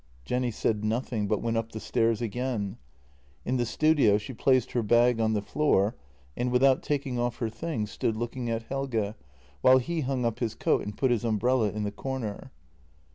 Jenny said nothing, but went up the stairs again. In the studio she placed her bag on the floor, and without taking off her things stood looking at Helge while he hung up his coat and put his umbrella in the corner.